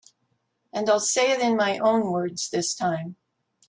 And I'll say it in my own words this time.